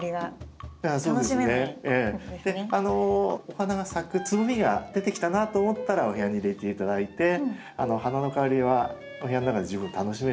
お花が咲くつぼみが出てきたなと思ったらお部屋に入れて頂いて花の香りはお部屋の中で十分楽しめると思いますので。